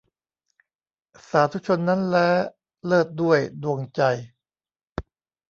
สาธุชนนั้นแล้ เลิศด้วยดวงใจ